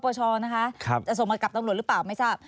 ของบางประชานะคะจะส่งมากับตำรวจหรือเปล่าไม่ทราบ